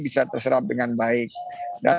bisa terserap dengan baik dan